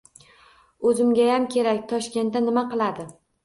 — O‘zimayam kerak. Toshkentda nima qiladi?